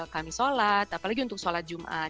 kami sholat apalagi untuk sholat jumat